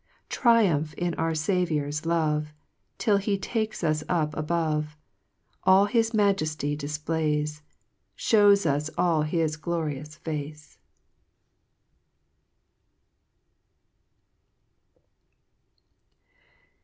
7 Triumph in our Saviours lov.c. Till he take us up above, All his Majeily difplays, Shews us all his glorious face.